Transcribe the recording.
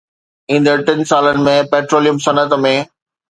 ايندڙ ٽن سالن ۾ پيٽروليم صنعت ۾